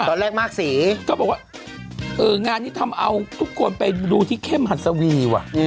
ตอนแรกมากสีก็บอกว่างานนี้ทำเอาทุกคนไปดูที่เข้มหัดสวีว่ะ